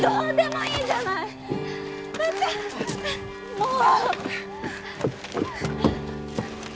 もう！